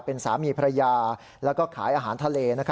เป็นสามีภรรยาแล้วก็ขายอาหารทะเล